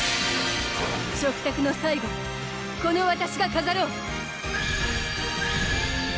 食卓の最後をこのわたしが飾ろう！